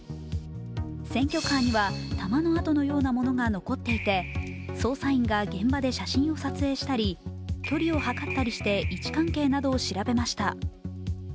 選挙カーには弾のあとのようなものが残っていて捜査員が現場で写真を撮影したり距離を測ったりして位置関係などを調べました。